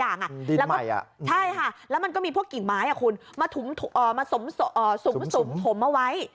แล้วก็ใช่ค่ะแล้วมันก็มีพวกกิ่งไม้คุณมาสุ่มผมเอาไว้